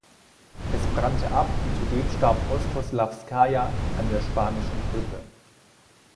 Es brannte ab und zudem starb Ostoslawskaja an der Spanischen Grippe.